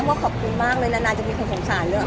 ว่าขอบคุณมากเลยนานจะมีคนสงสารเรื่อง